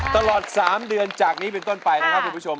ตลอด๓เดือนจากนี้เป็นต้นไปนะครับคุณผู้ชม